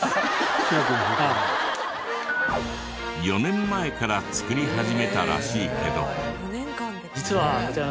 ４年前から作り始めたらしいけど。